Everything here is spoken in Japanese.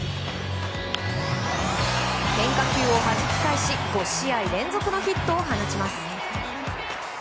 変化球をはじき返し５試合連続のヒットを放ちます。